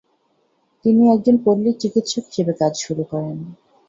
তিনি একজন পল্লী চিকিৎসক হিসেবে কাজ শুরু করেন।